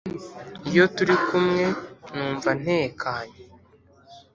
Iyo turi kumwe numva ntekanye